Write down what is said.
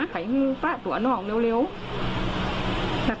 กลุ่มตัวเชียงใหม่